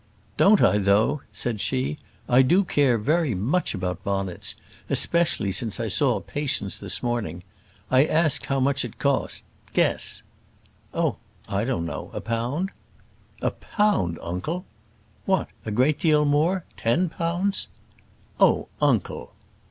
"Don't I, though?" said she. "I do care very much about bonnets; especially since I saw Patience this morning. I asked how much it cost guess." "Oh! I don't know a pound?" "A pound, uncle!" "What! a great deal more? Ten pounds?" "Oh, uncle."